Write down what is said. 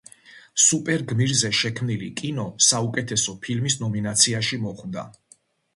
სუპერ-გმირზე შექმნილი კინო საუკეთესო ფილმის ნომინაციაში მოხვდა.